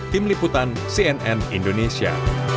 tim liputan cnn indonesia